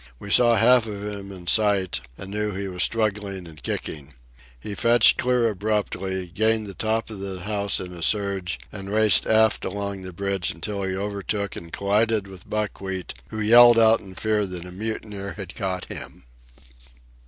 We saw half of him in sight and knew that he was struggling and kicking. He fetched clear abruptly, gained the top of the house in a surge, and raced aft along the bridge until he overtook and collided with Buckwheat, who yelled out in fear that a mutineer had caught him.